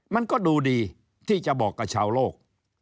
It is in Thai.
มันก็ดูดีที่จะบอกกับชาวโลก